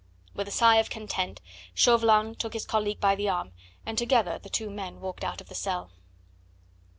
With a sigh of content Chauvelin took his colleague by the arm, and together the two men walked out of the cell.